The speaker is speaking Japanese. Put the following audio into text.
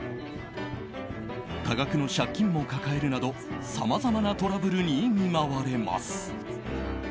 多額の借金も抱えるなどさまざまなトラブルに見舞われます。